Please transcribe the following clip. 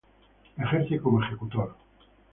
Ejerce como ejecutor.